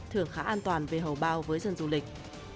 thường khá an toàn về hầu bao với dân du lịch